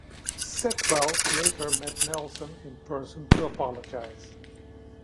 Sitwell later met Nelson in person to apologise.